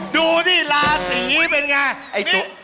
ดูที่ร้านอย่างนี้เป็นไง